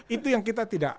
itu yang kita tidak